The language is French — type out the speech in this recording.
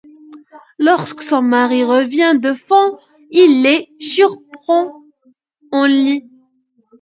Lorsque son mari revient du front, il les surprend au lit.